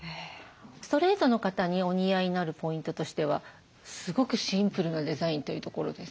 ストレートの方にお似合いになるポイントとしてはすごくシンプルなデザインというところです。